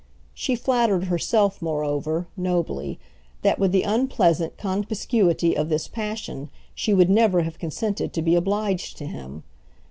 She flattered herself moreover, nobly, that with the unpleasant conspicuity of this passion she would never have consented to be obliged to him.